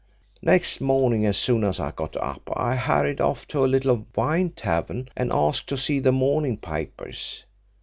"Next morning, as soon as I got up, I hurried off to a little wine tavern and asked to see the morning papers.